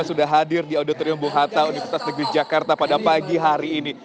sudah hadir di auditorium bung hatta universitas negeri jakarta pada pagi hari ini